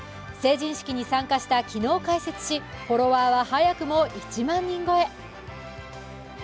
成人式に参加した昨日開設しフォロワーは早くも１万人超え。